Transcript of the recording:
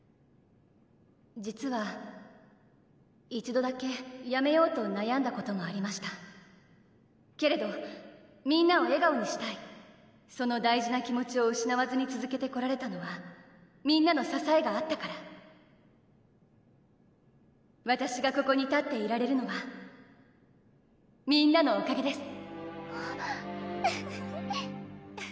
実は一度だけやめようとなやんだこともありましたけれどみんなを笑顔にしたいその大事な気持ちをうしなわずにつづけてこられたのはみんなのささえがあったからわたしがここに立っていられるのはみんなのおかげです